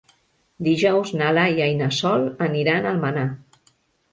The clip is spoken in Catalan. Dijous na Laia i na Sol aniran a Almenar.